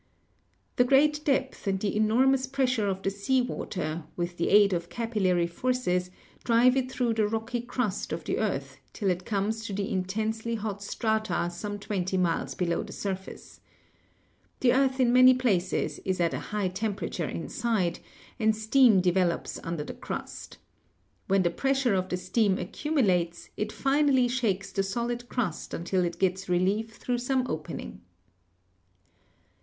The great depth and the enormous pressure of the sea water, with the aid of capillary forces, drive it through the rocky crust of the earth till it comes to the intensely hot strata some twenty miles below the surface. The earth DIASTROPHISM 109 in many places is at a high temperature inside, and steam develops under the crust. When the pressure of the steam accumulates, it finally shakes the solid crust until it gets relief through some opening.